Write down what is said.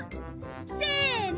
せの！